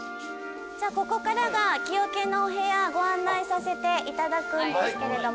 じゃあここからが木桶のお部屋ご案内させていただくんですけれども。